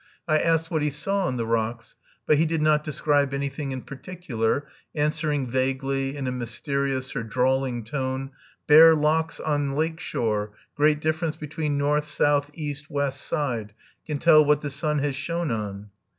I asked what he saw on the rocks, but he did not describe anything in particular, answering vaguely, in a mysterious or drawling tone, "Bare locks on lake shore, great difference between north, south, east, west, side, can tell what the sun has shone on."